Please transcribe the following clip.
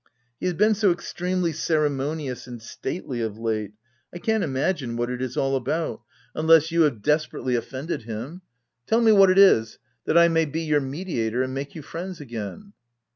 " He has been so extremely ceremonious and stately of late, I can't imagine what it is all about, unless you have de 348 THE TENANT sperately offended him. Tell me what it is, that I may be your mediator, and make you friends again."